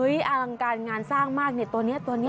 อลังการงานสร้างมากเนี่ยตัวนี้ตัวนี้